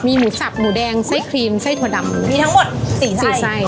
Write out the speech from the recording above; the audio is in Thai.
มีหมูสับหมูแดงไส้ครีมไส้ถั่วดำมีทั้งหมดสี่สี่ไส้